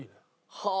はあ！